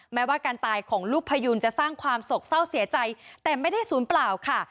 แม้ว่าการตายของลูกพยูนจะสร้างความโศกเศร้าเสียใจแต่ไม่ได้ศูนย์เปล่าค่ะ